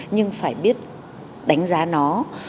nhưng phải biết đánh giá nó